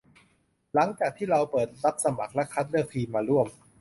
หลังจากที่เราเปิดรับสมัครและคัดเลือกทีมมาร่วม